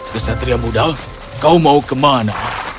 kesatria muda kau mau ke mana